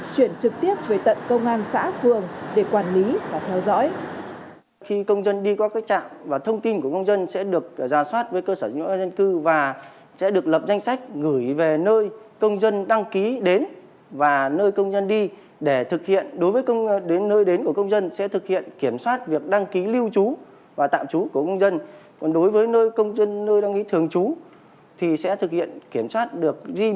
chuyển trực tiếp về tận công an xã phường để quản lý và theo dõi